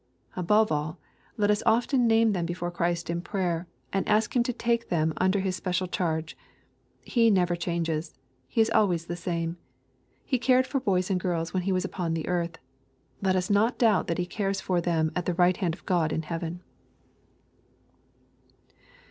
Above all, let us often name them before Christ in prayer, and ask Him to take them under His special charge. He never changes. He is always the same. He cared for boys and girls when He was upon r earth. Let us not doubt that He cares for them at the right hand of God in heaven.